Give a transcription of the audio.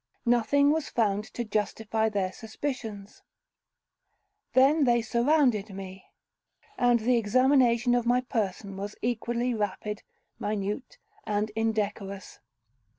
Nothing was found to justify their suspicions. They then surrounded me; and the examination of my person was equally rapid, minute, and indecorous.